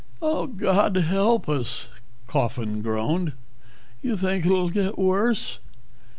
"God help us," Coffin groaned. "You think it'll get worse?"